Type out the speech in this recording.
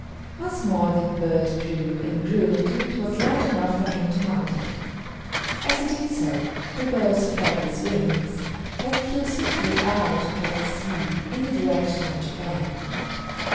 Once more the bird grew and grew till it was large enough for him to mount it. As he did so, the bird spread its wings and flew swiftly out across the sea in the direction of Japan.